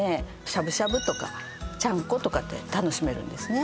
しゃぶしゃぶとかちゃんことか楽しめるんですね